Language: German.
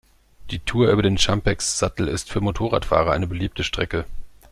Die Tour über den Champex-Sattel ist für Motorradfahrer eine beliebte Strecke.